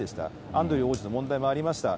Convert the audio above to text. アンドリュー王子の問題もありました。